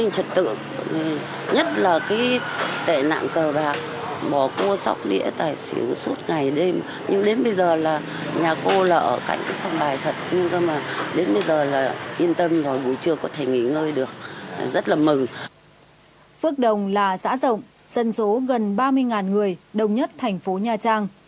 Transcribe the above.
phước đồng là xã rộng dân số gần ba mươi người đông nhất thành phố nha trang